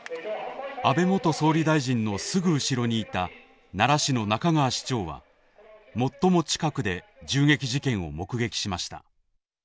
安倍元総理大臣のすぐ後ろにいた奈良市の仲川市長は最も近くで銃撃事件を目撃しました。